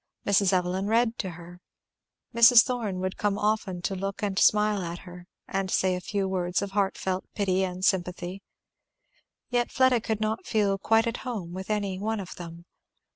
Mrs. Evelyn read to her. Mrs. Thorn would come often to look and smile at her and say a few words of heart felt pity and sympathy. Yet Fleda could not feel quite at home with any one of them.